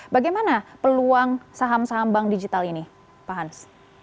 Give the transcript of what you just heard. bagaimana peluang saham saham bank digital ini pak hans